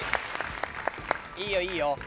いいよいいよ。